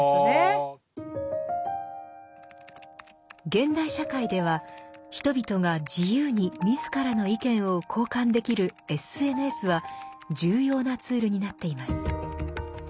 現代社会では人々が自由に自らの意見を交換できるＳＮＳは重要なツールになっています。